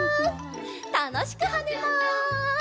たのしくはねます！